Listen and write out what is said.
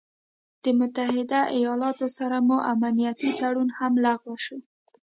د متحده ايالاتو سره مو امنيتي تړون هم لغوه شو